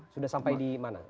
sudah sampai di mana